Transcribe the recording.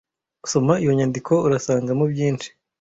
Soma iyo nyandiko urasangamo byinshi,